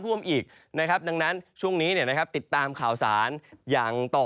ร่วมอีกนะครับดังนั้นช่วงนี้เนี่ยนะครับติดตามข่าวสารอย่างต่อ